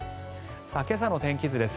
今朝の天気図です。